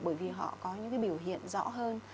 bởi vì họ có những cái biểu hiện rõ hơn